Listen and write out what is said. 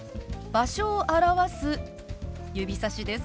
場所を表す指さしです。